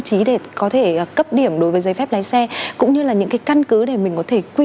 chí để có thể cấp điểm đối với giấy phép lái xe cũng như là những cái căn cứ để mình có thể quy